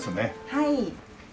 はい。